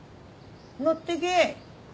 乗ってけ。